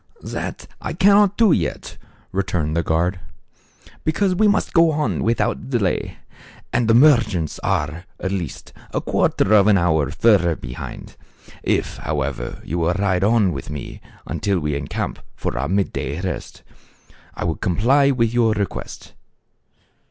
" That I cannot do yet," returned the guard, "because we must go on without delay, and the merchants are, at least, a quarter of an hour fur ther behind. If, however, you will ride on with me until we encamp for our mid day rest, I will comply with your request."